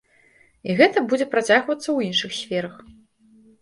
І гэта будзе працягвацца ў іншых сферах.